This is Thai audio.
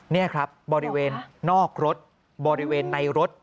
นี่ครับบริเวณนอกรถบริเวณในรถ